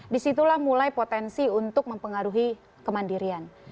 disitulah mulai potensi untuk mempengaruhi kemandirian